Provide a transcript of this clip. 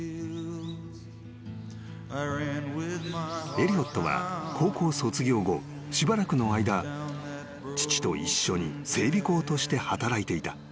［エリオットは高校卒業後しばらくの間父と一緒に整備工として働いていた］